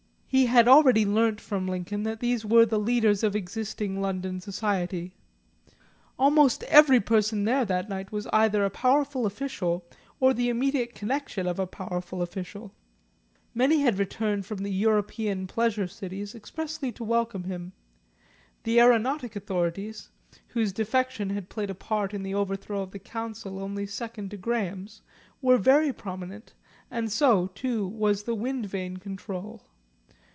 He had already learnt from Lincoln that these were the leaders of existing London society; almost every person there that night was either a powerful official or the immediate connexion of a powerful official. Many had returned from the European Pleasure Cities expressly to welcome him. The aeronautic authorities, whose defection had played a part in the overthrow of the Council only second to Graham's, were very prominent, and so, too, was the Wind Vane Control.